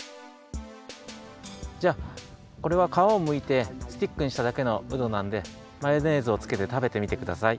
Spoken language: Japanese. じゃあこれはかわをむいてスティックにしただけのうどなんでマヨネーズをつけてたべてみてください。